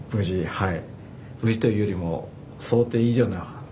はい。